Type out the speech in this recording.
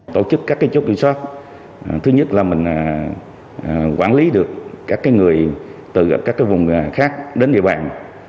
tổ chức các chốt kiểm soát thứ nhất là mình quản lý được các vùng khác đến địa bàn